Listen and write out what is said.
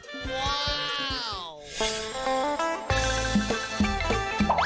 ว้าว